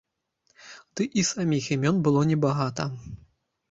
Ды і саміх імён было небагата.